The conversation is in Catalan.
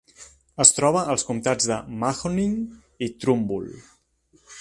Es troba als comtats de Mahoning i Trumbull.